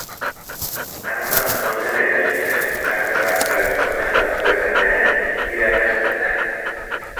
Arma honen erabilera, arte martzial eskola batzuetan ere irakasten da.